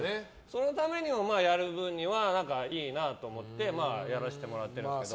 そのためにもやる分にはいいなと思ってやらせてもらってるけど。